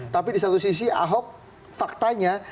tapi di satu sisi ahok faktanya